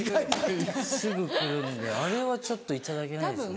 すぐ来るんであれはちょっといただけないですよね。